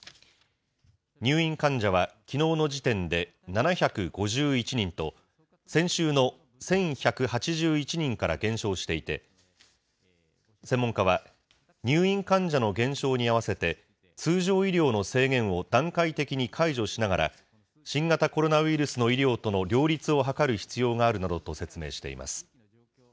入院患者は、きのうの時点で７５１人と、先週の１１８１人から減少していて、専門家は、入院患者の減少に合わせて、通常医療の制限を段階的に解除しながら、新型コロナウイルスの医療との両立を図る必要があるなどと説明しています。